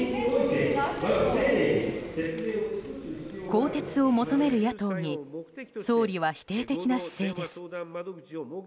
更迭を求める野党に総理は否定的な姿勢です。